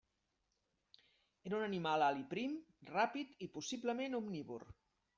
Era un animal alt i prim, ràpid i possiblement omnívor.